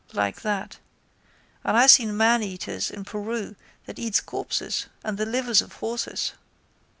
Like that. And I seen maneaters in Peru that eats corpses and the livers of horses.